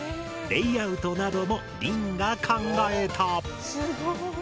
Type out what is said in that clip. レイアウトなどもりんが考えた。